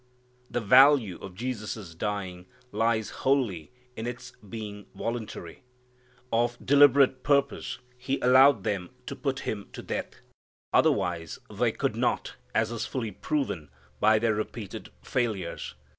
The value of Jesus' dying lies wholly in its being voluntary. Of deliberate purpose He allowed them to put Him to death. Otherwise they could not, as is fully proven by their repeated failures.